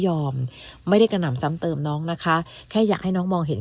ไม่ได้กระหน่ำซ้ำเติมน้องนะคะแค่อยากให้น้องมองเห็น